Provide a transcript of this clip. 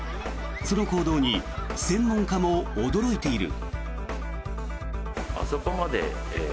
その行動に専門家も驚いている。